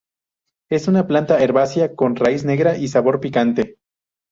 Es una planta herbácea con raíz negra y sabor picante.